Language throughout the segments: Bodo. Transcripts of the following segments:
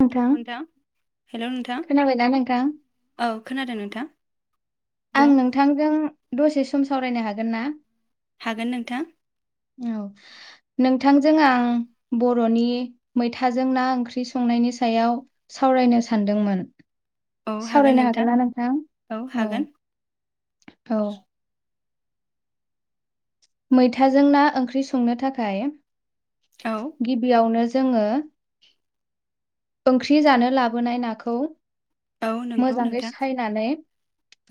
नोंथां हेलौ नोथां हेलौ नोंथां खोनाबायना नोंथां? औ खोनादों नोंथां। आं बुं नोंथांजों दसे सम सावरायनो हागोन ना? हागोन नोंथां। औ नोंथांजों आं बर'नि मैथाजों ना ओंख्रि संनायनि सायाव सावरायनो सानदोंमोन। औ हागोन सावरायनो हागोनना नोंथां औ औ मैथाजों ना ओंख्रि संनो थाखाय औ गिबियावनो जों जोङो ओंख्रि जानो लाबोनाय नाखौ औ नंगौ मोजाङै नोंथां सायनानै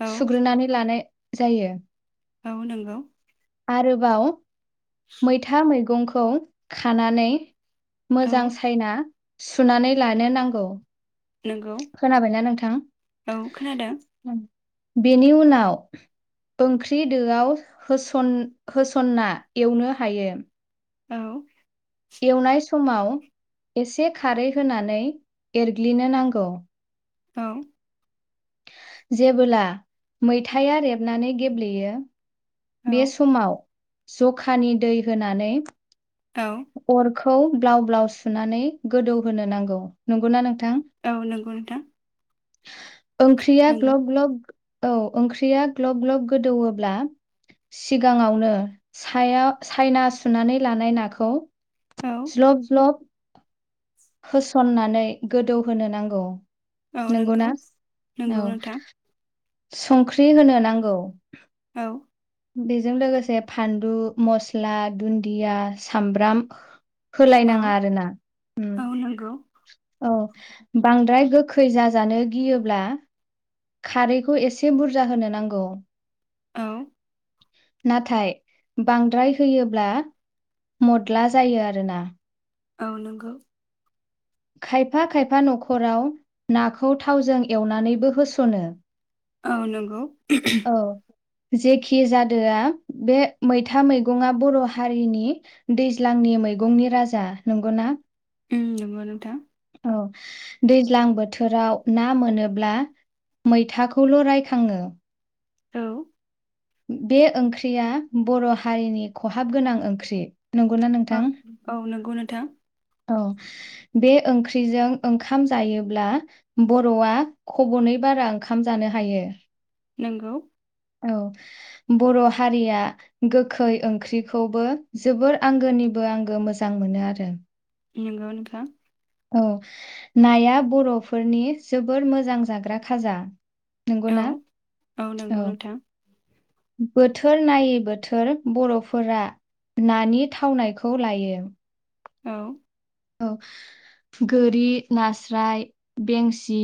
औ सुग्रोनानै लानाय जायो औ नंगौ आरोबाव मैथा मैगं खौ खानानै औ मोजां सायना सुनानै लानो नांगौ। नंगौ खोनाबायना नोंथां औ खोनादों उम बेनि उनाव ओंख्रि दोआव होसना एवनो हायो औ एवनाय समाव एसे खारै होनानै एरग्लिनो नांगौ। औ जेबोला मैथाया रेबनानै गेब्लेयो औ बे समाव जखानि दै होनानै औ खौ ब्लाव ब्लाव सुनानै गोदौ होनो नांगौ नंगौना नोंथां। औ नंगौ नोंथां ओंख्रिया नंगौ ग्लब ग्लब औ ओंख्रिया ग्लब ग्लब गोदौब्ला सिगाङावनो सायाव सायना सुनानै लानाय नाखौ औ औ ज्लब ज्लब होसननानै गोदौहोनो नांगौ नंगौ ना नंगौ औ नोंथां संख्रि होनो नांगौ औ बेजों लोगोसे फानलु, मस्ला, दुन्दिया, सामब्राम औ होलायनाङा आरो ना औ नंगौ औ बांद्राय गोखै जाजानो गियोब्ला खारैखौ एसे बुरजा होनो नांगौ। औ नाथाय बांद्राय होयोब्ला मदला जायो आरो ना औ नंगौ खायफा खायफा न'खराव नाखौ थावजों एवनानैबो होस'नो औ नंगौ। औ जेखि जादोआ बे मैथा मैगंङा बर' हारिनि दैज्लांनि मैगंनि राजा नंगौ ना? उम नंगौ नोंथां। औ दैज्लां बोथोराव ना मोनोब्ला मैथाखौल' रायखांङो। औ बे ओंख्रिया बर' हारिनि खहाब गोनां ओंख्रि। नंगौना औ नोंथां औ नंगौ नों थां औ बे ओंख्रिजों ओंखाम जायोब्ला बर'आ खब'नै बारा ओंखाम जानो हायो। नोंगौ। औ बर' हारिया गोखै ओंख्रिखौबो जोबोर आंगोनिबो आंगो मोजां मोनो आरो। नंगौ नोंथां। औ नाया बर'फोरनि जोबोर मोजां जाग्रा खाजा। औ नंगौना औ नंगौ नोंथां। बोथोर नायै बोथोर बर'फोरा नानि थावनायखौ लायो। औ औ गोरि नास्राय बेंसि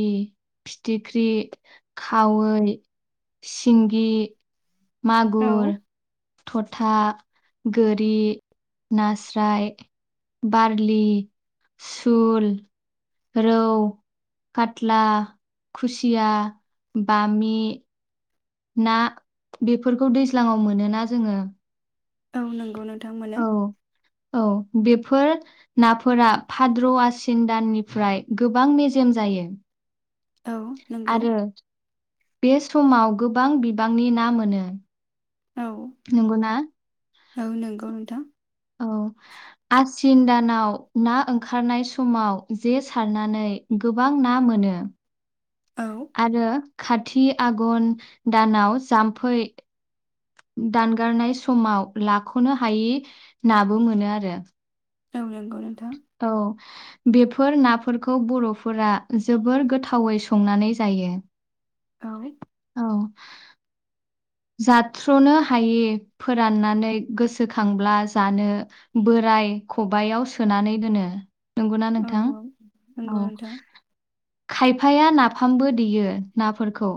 फिथिख्रि खावै सिंगि औ मागुर थ'था गोरि नास्राय बारलि सुल रौ कात्ला खुसिया बामि ना बेफोरखौ दैज्लांङाव मोनोना जोङो? औ नंगौ नोंथां मोनो। औ औ बेफोर नाफोरा फाद्र' आसिन दाननिफ्राय गोबां मेजेम जायो। औ नंगौ आरो बे समाव गोबां बिबांनि ना मोनो। औ नंगौ ना? औ नंगौ नोंथां। औ आसिन दानाव ना ओंखारनाय समाव जे सारनानै गोबां ना मोनो। औ आरो खाथि आघन दानाव जाम्फै दानगारनाय समाव लाख'नो हायि नाबो मोनो आरो। औ नों औ बेफोर नाफोरखौ बर'फोरा जोबोर गोथावै संनानै जायो। औ औ जाथ्र'नो हायि फोराननानै गोसोखांब्ला जानो बोराय खबायाव सोनानै दोनो। नंगौना औ नोंथां नंगौ औ। नोंथां खायफाया नाफामबो देयो नाफोरखौ।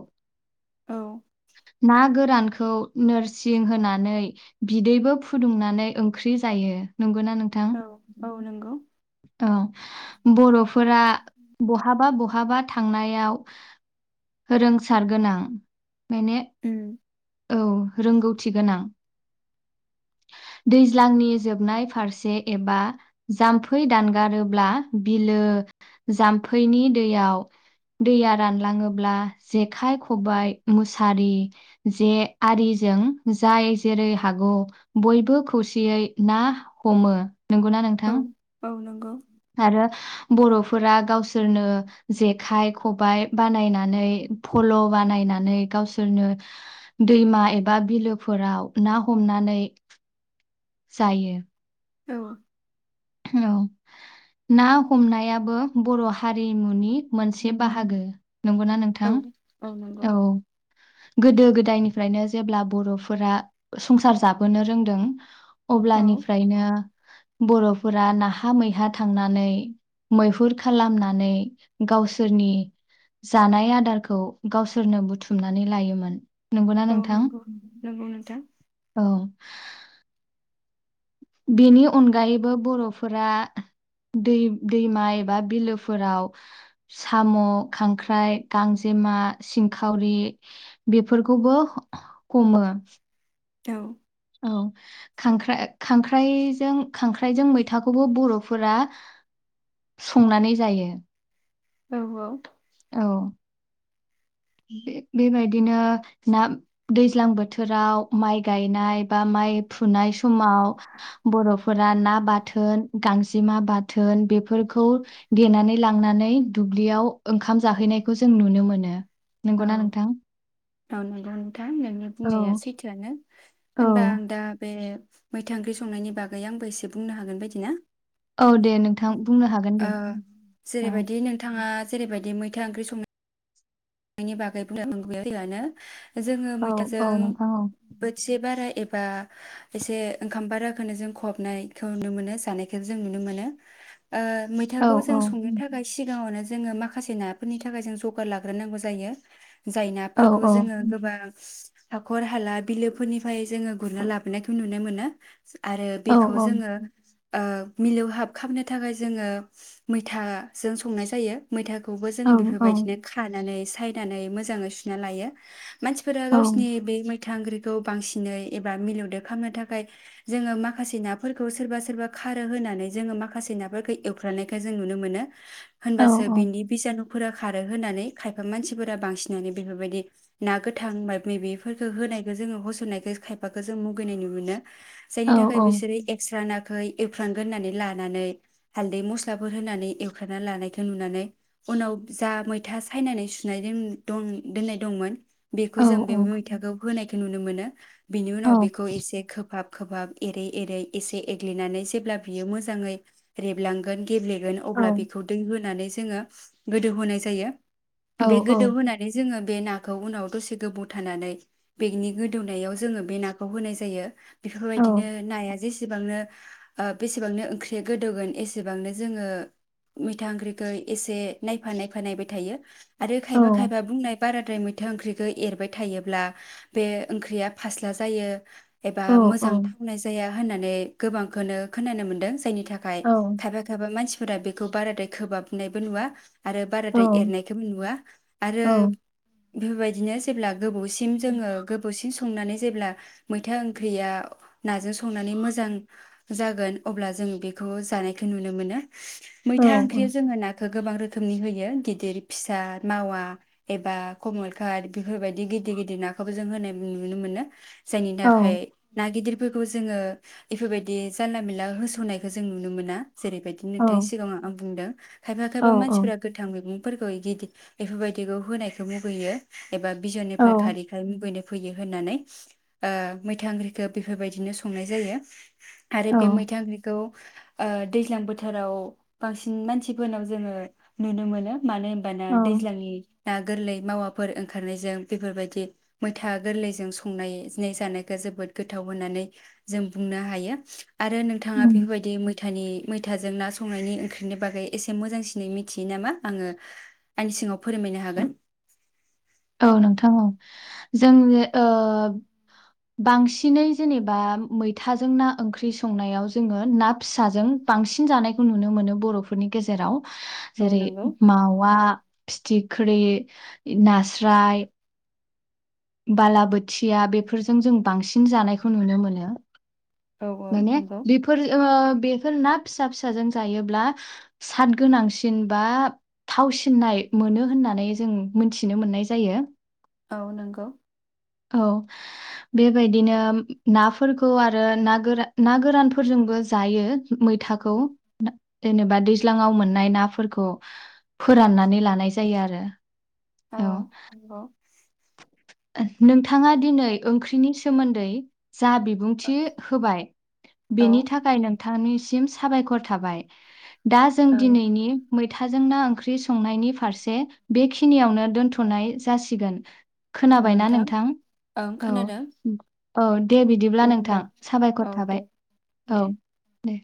औ ना गोरानखौ नोरसिं होनानै बिदैबो फुदुंनानै ओंख्रि जायो। नंगौना नोंथां? नोंगौ औ बर'फोरा बहाबा बहा हाबा थांनायाव रोंसार गोनां माने उम औ रोंगौथि गोनां दैज्लांनि जोबनाय फारसे एबा जाम फै दानगारोब्ला बिलो जाम्फैनि दैयाव दैया रानलाङोब्ला जेखाइ, खबाय, मुसारि, जे आरिजों जाय जेरै- हागौ बयबो खौसेयै ना हमो। नंगौना नोंथां? गौ आरो बर'फोरा गावसोरनो जेखाइ, खबाइ बानायनानै फल' बानायनानै गावसोरनो दैमा एबा बिलोफोराव ना हमनानै जायो। औ औ, ना हमनायाबो बर' हारिमुनि मोनसे बाहागो। नंगौना औ नोंथां? औ नंगौ औ गोदो गोदायनिफ्रायनो जेब्ला बर'फोरा संसार जाबोनो रोंदों औ अब्लानिफ्रायनो बर'फोरा नाहा मैहा थांनानै, मैहुर खालामनानै गावसोरनि जानाय आदारखौ गावसोरनो बुथुमनानै लायोमोन। नंगौना औ नोंथां नंगौ नंगौ नोंथां। औ बेनि अनगायैबो बर'फोरा दै-दैमा एबा बिलोफोराव साम', खांख्राइ, गांजेमा, सिंखावरि बेफोरखौबो हमो औ औ, खांख्रा-खांख्राइजों खांख्राइजों मैथाखौबो बर'फोरा संनानै जायो। औ औ औ बे-बेबायदिनो ना दैज्लां बोथोराव माइ गायनाय बा माइ फु नाय समाव बर' फोरा ना बाथोन, गांजेमा बाथोन बेफोरखौ देनानै लांनानै दुब्लियाव ओंखाम जाहैनायखौ जों नुनो मोनो। औ नंगौना नोंथां औ नंगौ नोंथां नोंनि औ बुंनाया सैथोआनो औ होनबा आं दा बे मैथा ओंख्रि संनायनि बागै आंबो एसे बुंनो हागोन बायदि ना औ दे नोंथां बुंनो हागोन दे ओ औ जेरैबायदि नोंथाङा जेरैबायदि मैथा ओंख्रि सं नो नि बागै [unintelligible] जोङो औ मैथाजों औ नोंथां औ बोथिसे बाराय एबा एसे ओंखाम बाराखौनो जों खहाबनायखौ नुनो मोनो जानायखौ जों नुनो मोनो। ओ औ मैथाखौ जों संनो थाखाय सिगाङावनो जोङो माखासे नाफोरनि थाखाय जों जगार लाग्रोनांगौ जायो जाय औ नाफोरखौ जोङो गोबां हाखर-हाला, बिलोफोरनिफ्राय जोङो गुरना लाबोनायखौ नुनो मोनो आरो औ बेखौ जोङो औ मिलौहाब खामनो थाखाय जोङो मैथाजों संनाय जायो। मैथा खौबो जों औ औ बेफोरबायदिनो खानानै सायनानै मोजाङै सुना लायो मानसिफोरा गावसिनि बे मै फथ ओख्रिखौ बांसिनै एबा मिलौदो खालामनो थाखाय जोङो माखासे नाफोरखौ सोरबा सोरबा खारो होनानै जोङो माखासे नाफोरखौ एवफ्रानायखौ जों नुनो मोनो औ होनबासो बिनि बिजानुखौ फोरा खारो होननानै खाय खायफा मानसिफोरा बांसिनानो बेफोरबायदि ना गोथां मायबा मायबिफोरखौ होनायखौ जोङो होसननायखौ खायफाखौ जों मुगैनाय नु मोनो जायनि थाखाय बिसोरो एक्सारना फ्राय एवफ्रामगोरनानै लानानै हाल्दै मस्लाफोर होनानै एवफ्रामना लानायखौ नुनानै उनाव जा मैथा सायनानै सुनानै दं दोननाय दंमोन बेखौ औ जों बेबोबाय थागौ होनायखौ नुनो मोनो बिनि उनाव बेखौ एसे खोबहाब खोबाब एरै एरै एसे एग्लिनानै जेब्ला बियो मोजाङै रेबलांगोन गेब्लेगोन अब्ला बेखौ दै होनानै जों जोङो गोदौ होनाय जायो बे गोदौ होनानै जोङो बे नाखौ उनाव दसे गोबाव थानानै बेगनि गोदौनायाव जोङो बे नाखौ होनाय जायो औ बेफोरबायदिनो नाया जेसेबांनो बेसेबांनो ओंख्रिया गोदौगोन एसेबांनो जोङो मैथा ओंख्रिखो एसे नायफा नायफा नायबाय थायो आरो खायफा औ खायबा बुंनाय बाराद्राय मैथा ओंख्रिखौ एरबाय थायोब्ला बे ओंख्रिया फास्ला जायो एबा औ औ मोजां थावनाय जाया होननानै गोबांखौनो खोनानो मोनदों जायनि थाखाय औ थाखाय खायफा खायफा मानसि सोरा बेखौ बाराद्राय खोबहाबनायबो नुवा आरो औ बाराद्राय एरनायखौ मोन आरो औ बेफोरबायदिनो जेब्ला गोबावसिम जोङो गोबावसिम संनानै जेब्ला मैथा ओंख्रिया नाजों संनानै मोजां जागोन अब्ला जों बेखौ जानायखौ नुनो मोनो औ मैथा ओंख्रि जोङो ना बेखौ गोबां रोखोमनि होयो गिदिर फि फिसा मावा एबा कमलखाट बेफोरबायदि गिदिर गिदिर नाखौबो जों होनाय नुनो मोनो। जायनि औ थाखाय ना गिदिर बेफोरखौ जोङो इफोरबायदि जानला मला होसावनायखौ जों नुनो मोना। जेरैबायदि नोंथांनि सिगाङाव आं बुंदों। खायफा औ खायफा औ मानसिफोरा गोथां मैगं फोरखौ बेदि बेफोरबायदिखौ होनायखौ मुगैयो। एबा बिजननिफोर औ खारैखाय मुगैनाय फैयो होननानै मैथा ओंख्रिखौ बेफोरबायदिनो संनाय जायो। आरो बे मैथा ओंख्रिखौ ओ दैज्लां बोथोराव बांसिन मानसिफोरनाव जोङो नुनो मोनो। मानो ना औ दैज्लांनि ना गोरलै मावाफोर ओंखारनायजों बेफोरबायदि मैथा गोरलैजों संनाय जानायखौ जोबोद गोथाव होननानै जों बुंनो हायो। आरो नोंथाङा बेफोरबायदि मै थानि मैथाजों ना संनायनि ओंख्रिनि बागै एसे मोजांसिनै मिथियो नामा आङो आंनि सिङाव फोरमायनो हागोन। औ नोंथां औ जों ओ बांसिनै जेनेबा मैथाजों ना ओंख्रि संनायाव जोङो ना फिसाजों बांसिन जानायखौ नुनो मोनो बर'फोरनि गेजेराव। औ जेरै नंगौ मावा फिथिक ख्रि नास राय बालाबोथिया बेफोरजों जों बांसिन जानायखौ नुनो मोनो। औ औ माने नंगौ बेफोर ओ बेफोर ना फिसा फिसाजों जायोब्ला साद गोनांसिन बा थावसिननाय मोनो होननानै जों मोनथिनो मोननाय जायो। औ नंगौ। औ बेबायदिनो नाफोरखौ आरो ना गोरान ना गोरानफोरजोंबो जायो मैथाखौ जेनेबा दैज्लाङाव मोननाय नाफोरखौ फोराननानै लानाय जायो आरो। औ नंगौ ओं नोंथाङा दिनै ओंख्रिनि सोमोन्दै जा बिबुंथि होबाय औ बेनि थाखाय नों नोंथांनिसिम साबायखर थाबाय। दा जों दिनैनि मैथाजों ना ओंख्रि संनायनि फारसे बेखिनियावनो दोनथ'नाय जासिगोन। नोंथां ओं औ खोनादों औ दे बिदिब्ला नोंथां साबायखर औ थाबाय दे औ दे दे।